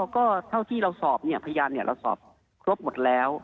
ก็เท่าที่เราสอบเนี่ยพยานเนี่ยเราสอบครบหมดแล้ว